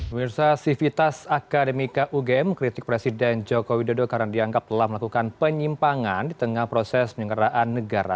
pemirsa sivitas akademika ugm kritik presiden joko widodo karena dianggap telah melakukan penyimpangan di tengah proses penyelenggaraan negara